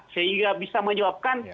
sehingga bisa menyebabkan